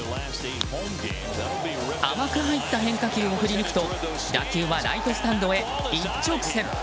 甘く入った変化球を振り抜くと打球はライトスタンドへ一直線。